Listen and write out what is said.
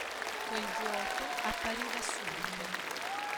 Quel vuoto appariva subito.